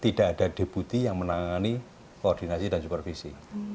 tidak ada deputi yang menangani koordinasi dan supervisi